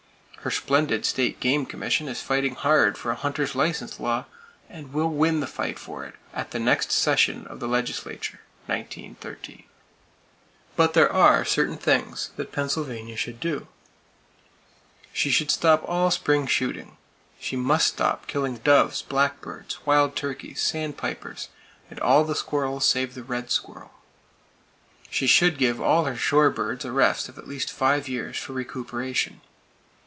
Her splendid State Game Commission is fighting hard for a hunter's license law, and will win the fight for it at the next session of the legislature (1913). But there are certain things that Pennsylvania should do: She should stop all spring shooting. She must stop killing doves, blackbirds, wild turkeys, sandpipers, and all the squirrels save the red squirrel. She should give all her shore birds a rest of at least five years, for recuperation.